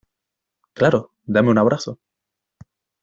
Claro. Dame un abrazo .